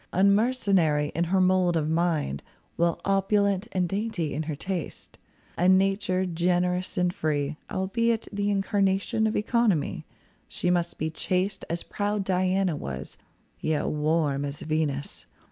Unmercenary in her mould of mind, While opulent and dainty in her tastes. A nature generous and free, albeit The incarnation of economy. She must be chaste as proud Diana was, Yet warm as Venus.